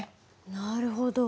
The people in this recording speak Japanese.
なるほど。